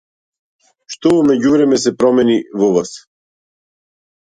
Што во меѓувреме се промени во вас?